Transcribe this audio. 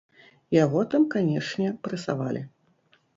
Яго там, канечне, прэсавалі.